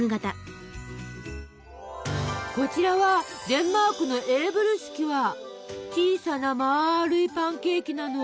こちらはデンマークの小さなまるいパンケーキなの！